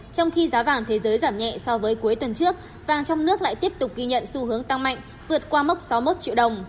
trong khi giá vàng thế giới giảm nhẹ so với cuối tuần trước vàng trong nước lại tiếp tục ghi nhận xu hướng tăng mạnh vượt qua mốc sáu mươi một triệu đồng